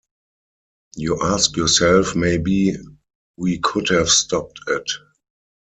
You ask yourself maybe we could have stopped it.